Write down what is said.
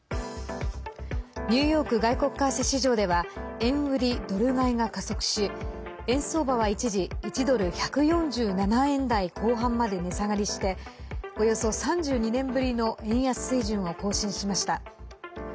ニューヨーク外国為替市場では円売りドル買いが加速し円相場は一時１ドル＝１４７円台後半まで値下がりしておよそ３２年ぶりの円安水準を更新しました。